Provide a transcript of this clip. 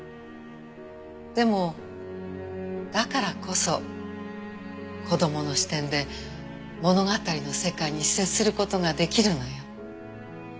でもだからこそ子供の視点で物語の世界に接する事が出来るのよ。